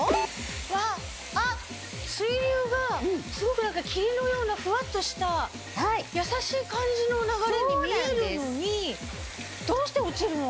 わっあっ水流がすごく霧のようなふわっとした優しい感じの流れに見えるのにどうして落ちるの？